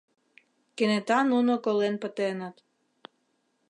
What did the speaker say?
Кенета нуно колен пытеныт.